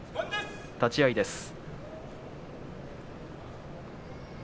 立ち合いです。